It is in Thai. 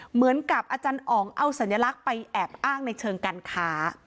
เหมือนกับอาจารย์อ๋องเอาสัญลักษณ์ไปแอบอ้างในเชิงการค้า